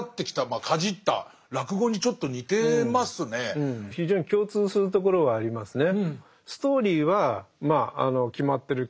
まあかじった非常に共通するところはありますね。